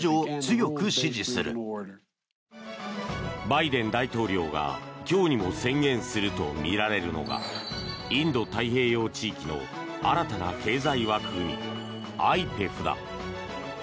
バイデン大統領が今日にも宣言するとみられるのがインド太平洋地域の新たな経済枠組み、ＩＰＥＦだ。